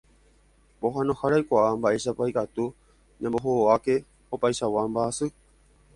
Pohãnohára oikuaa mba'éichapa ikatu ñambohovake opaichagua mba'asy.